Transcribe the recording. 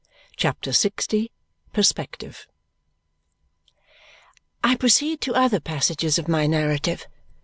CHAPTER LX Perspective I proceed to other passages of my narrative.